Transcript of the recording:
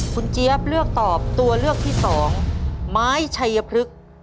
คุณเจี๊ยบเลือกตอบตัวเลือกที่สองไม้ชัยพฤกษ์